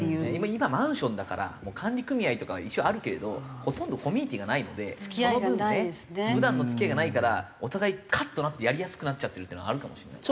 今マンションだから管理組合とかが一応あるけれどほとんどコミュニティーがないのでその分ね普段の付き合いがないからお互いカッとなってやりやすくなっちゃってるっていうのはあるかもしれない。